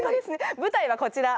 舞台はこちら。